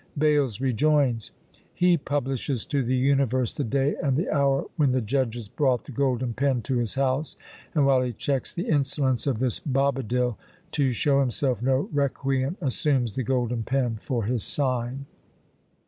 Bales rejoins: he publishes to the universe the day and the hour when the judges brought the golden pen to his house, and while he checks the insolence of this Bobadil, to show himself no recreant, assumes the golden pen for his sign.